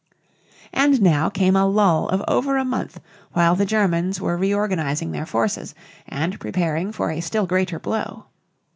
And now came a lull of over a month while the Germans were reorganizing their forces and preparing for a still greater blow.